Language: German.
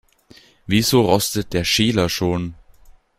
Wieso rostet der Schäler schon?